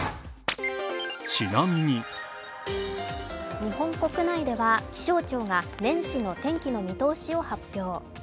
日本国内では気象庁が年始の天気の見通しを発表。